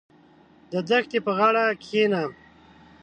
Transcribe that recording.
• د دښتې په غاړه کښېنه.